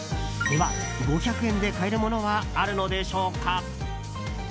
では５００円で買えるものはあるのでしょうか。